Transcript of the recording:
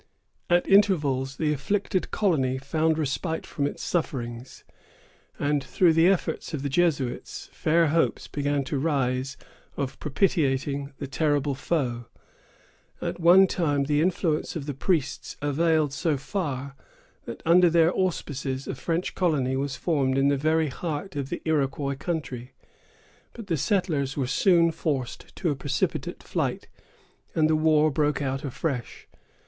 At intervals, the afflicted colony found respite from its sufferings; and, through the efforts of the Jesuits, fair hopes began to rise of propitiating the terrible foe. At one time, the influence of the priests availed so far, that under their auspices a French colony was formed in the very heart of the Iroquois country; but the settlers were soon forced to a precipitate flight, and the war broke out afresh.